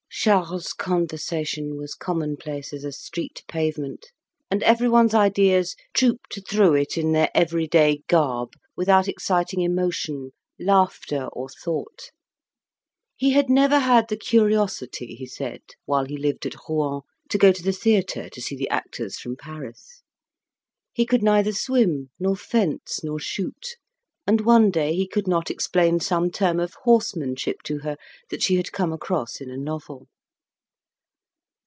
Charles's conversation was commonplace as a street pavement, and everyone's ideas trooped through it in their everyday garb, without exciting emotion, laughter, or thought. He had never had the curiosity, he said, while he lived at Rouen, to go to the theatre to see the actors from Paris. He could neither swim, nor fence, nor shoot, and one day he could not explain some term of horsemanship to her that she had come across in a novel.